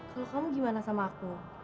kalau kamu gimana sama aku